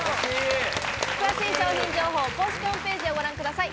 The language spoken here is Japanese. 詳しい商品情報は公式ホームページをご覧ください。